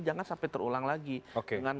jangan sampai terulang lagi dengan